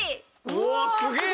うわあすげえ！